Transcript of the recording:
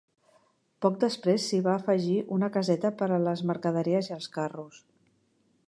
Poc després s'hi va afegir una caseta per a les mercaderies i els carros.